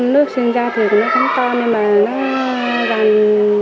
lúc sinh ra thì nó không to nhưng mà nó văng